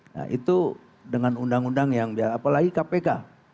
nah itu dengan undang undang yang apalagi kpk